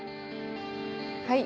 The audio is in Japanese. はい！